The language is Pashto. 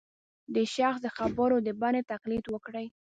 د شخص د خبرو د بڼې تقلید وکړي